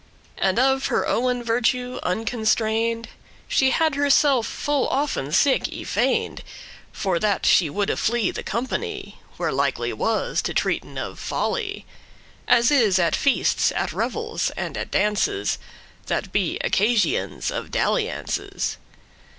And of her owen virtue, unconstrain'd, She had herself full often sick y feign'd, For that she woulde flee the company, Where likely was to treaten of folly, As is at feasts, at revels, and at dances, That be occasions of dalliances.